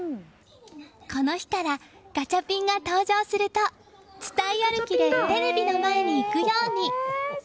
この日からガチャピンが登場すると伝い歩きでテレビの前に行くように。